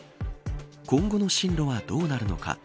今後の進路はどうなるのか。